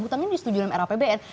hutang ini disetujukan rapbn